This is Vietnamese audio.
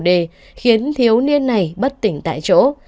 k và cháu d khiến thiếu niên này bất tỉnh tại chỗ